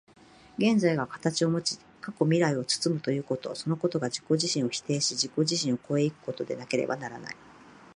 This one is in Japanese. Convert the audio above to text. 現在が形をもち、過去未来を包むということ、そのことが自己自身を否定し、自己自身を越え行くことでなければならない。